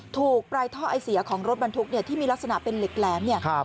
ถูกปลายท่อไอเสียของรถบรรทุกเนี่ยที่มีลักษณะเป็นเหล็กแหลมเนี่ย